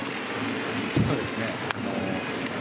そうですね。